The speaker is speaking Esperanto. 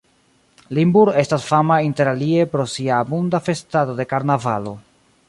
Limburg estas fama interalie pro sia abunda festado de karnavalo.